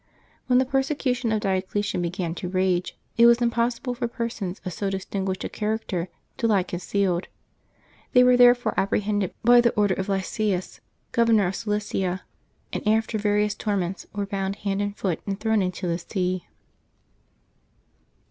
When the per secution of Diocletian began to rage, it was impossible for persons of so distinguished a character to lie concealed. They were therefore apprehended by the order of Lysias, Governor of Cilicia, and after various torments were bound hand and foot and thrown into the sea.